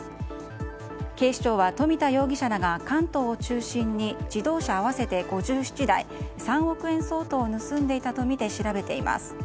警視庁は、冨田容疑者らが関東を中心に自動車合わせて５７台３億円相当を盗んでいたとみて調べています。